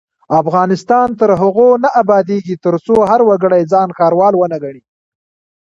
افغانستان تر هغو نه ابادیږي، ترڅو هر وګړی ځان ښاروال ونه ګڼي.